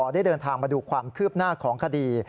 ได้เดินทางมาดูความคืบหน้าของคดี